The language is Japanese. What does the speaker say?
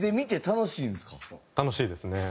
楽しいですね。